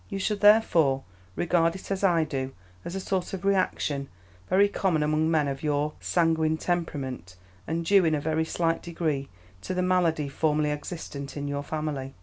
You should, therefore, regard it as I do as a sort of reaction, very common among men of your sanguine temperament, and due in a very slight degree to the malady formerly existent in your family.